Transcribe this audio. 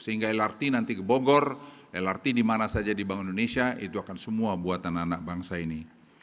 sehingga lrt nanti ke bogor lrt di mana saja dibangun indonesia itu akan semua buatan anak bangsa ini